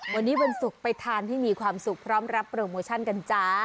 วันนี้วันศุกร์ไปทานให้มีความสุขพร้อมรับโปรโมชั่นกันจ้า